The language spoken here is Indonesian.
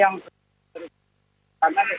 yang berada di gunung gunung kebuan